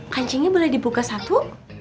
kancingnya boleh dibuka satu